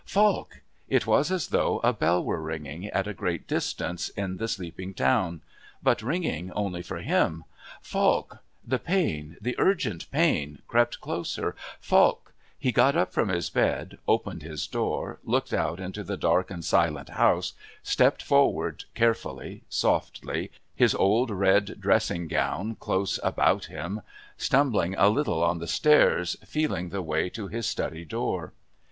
Falk! It was as though a bell were ringing, at a great distance, in the sleeping town but ringing only for him. Falk! The pain, the urgent pain, crept closer. Falk! He got up from his bed, opened his door, looked out into the dark and silent house, stepped forward, carefully, softly, his old red dressing gown close about him, stumbling a little on the stairs, feeling the way to his study door.